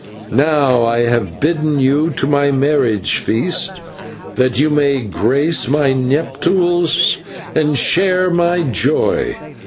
Now I have bidden you to my marriage feast, that you may grace my nuptials and share my joy.